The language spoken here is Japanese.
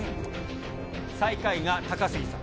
最下位が高杉さん。